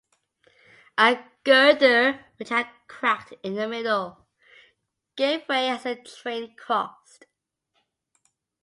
A girder, which had cracked in the middle, gave way as the train crossed.